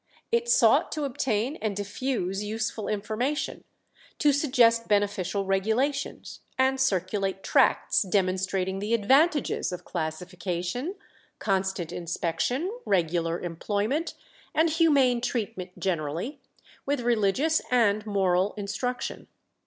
It sought to obtain and diffuse useful information, to suggest beneficial regulations, and circulate tracts demonstrating the advantages of classification, constant inspection, regular employment, and humane treatment generally, with religious and moral instruction.